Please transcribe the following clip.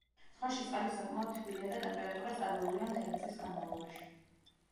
ზღვაში წყალი საკმაოდ თბილია და ტემპერატურა სტაბილურია მთელი წლის განმავლობაში.